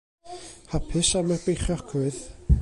Hapus am y beichiogrwydd.